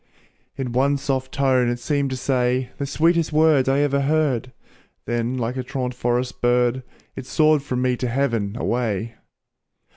In one soft tone it seemed to say The sweetest words I ever heard, Then like a truant forest bird, It soared from me to heaven away.